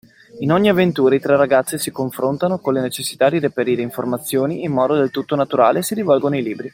In ogni avventura i tre ragazzi si confrontano con la necessità di reperire informazioni e in modo del tutto naturale si rivolgono ai libri.